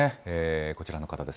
こちらの方です。